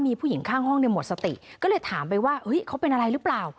มีผู้หญิงข้างห้องเนี่ยหมดสติก็เลยถามไปว่าเฮ้ยเขาเป็นอะไรหรือเปล่า